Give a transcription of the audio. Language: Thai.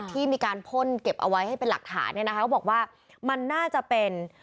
ที่มีการพ่นเก็บเอาไว้ให้เป็นหลักฐาน